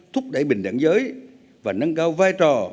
thúc đẩy bình đẳng giới và nâng cao vai trò